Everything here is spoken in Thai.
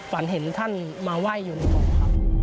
ฝันเห็นท่านมาไหว้อยู่ในของครับ